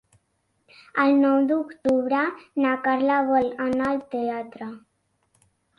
El nou d'octubre na Carla vol anar al teatre.